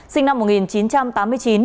sinh năm một nghìn chín trăm tám mươi chín